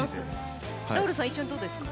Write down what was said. ラウールさん、一緒にどうですか？